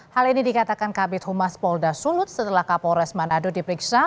hal ini dikatakan kabit humas polda sulawesi utara setelah kapolres tamanado dipiksa